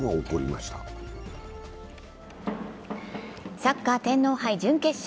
サッカー天皇杯準決勝。